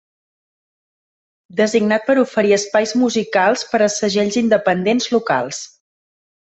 Designat per oferir espais musicals per a segells independents locals.